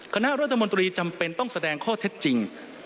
คณะรัฐมนตรีจำเป็นต้องแสดงข้อเท็จจริง